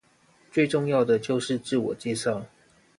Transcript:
最重要的就是自我介紹